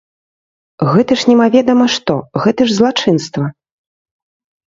Гэта ж немаведама што, гэта ж злачынства!